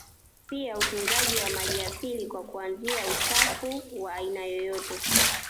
Pia utunzaji wa maliasili kwa kuzuia uchafuzi wa aina yoyote